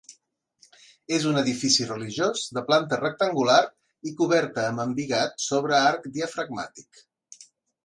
És un edifici religiós de planta rectangular i coberta amb embigat sobre arc diafragmàtic.